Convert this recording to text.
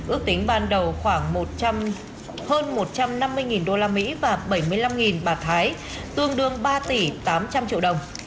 ước tính ban đầu khoảng hơn một trăm năm mươi usd và bảy mươi năm bạt thái tương đương ba tỷ tám trăm linh triệu đồng